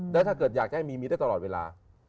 แล้วถ้าเกิดอยากจะให้มีมีได้ตลอดเวลา